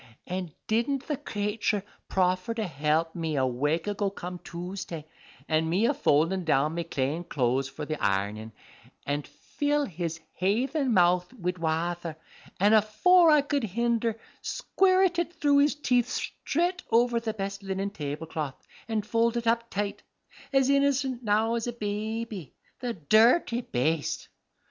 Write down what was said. An' didn't the crayture proffer to help me a wake ago come Toosday, an' me a foldin' down me clane clothes for the ironin', an' fill his haythen mouth wid wather, an' afore I could hinder squrrit it through his teeth stret over the best linen table cloth and fold it up tight, as innercent now as a baby, the dirty baste!